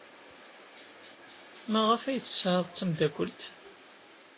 Maɣef ay tt-tesɛid d tameddakelt?